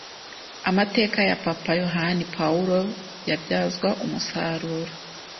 Amateka ya Papa Yohani Pawulo yabyazwa umusaruro